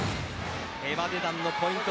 エバデダンのポイント